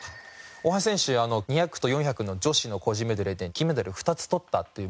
大橋選手２００と４００の女子の個人メドレーで金メダル２つ取ったっていう